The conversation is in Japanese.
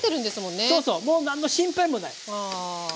そうそうもう何の心配もない。